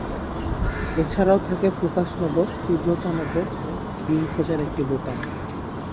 এছাড়াও থাকে focus knob, তীব্রতা নব ও বীম খোঁজার একটি বোতাম।